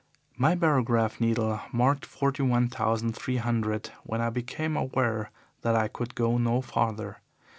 "My barograph needle marked forty one thousand three hundred when I became aware that I could go no farther.